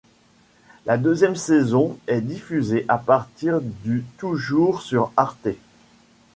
La deuxième saison est diffusée à partir du toujours sur Arte.